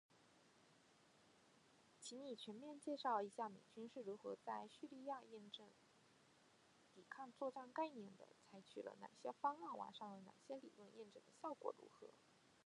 请你全面介绍一下美军是如何在叙利亚验证“抵抗作战概念”的，采取了哪些方法，完善了哪些理论，验证的效果如何？